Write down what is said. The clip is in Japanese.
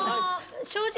正直。